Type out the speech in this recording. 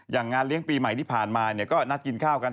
งานเลี้ยงปีใหม่ที่ผ่านมาก็นัดกินข้าวกัน